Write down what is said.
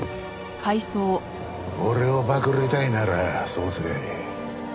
俺をパクりたいならそうすりゃいい。